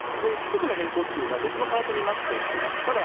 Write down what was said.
規則の変更というのは別のパートになっているんです。